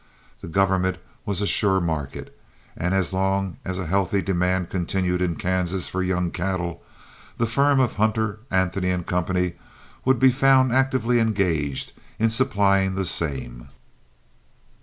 The government was a sure market, and as long as a healthy demand continued in Kansas for young cattle, the firm of Hunter, Anthony & Co. would be found actively engaged in supplying the same.